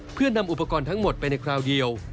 เพื่อนำอุปกรณ์ทั้งหมดไปในคราวเดียว